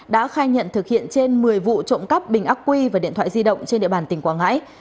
đã khai nhận thực hiện trên một mươi vụ trộm cắp bình ác quy và điện thoại di động trên địa bàn tỉnh quảng ngãi